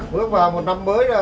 bước vào một năm mới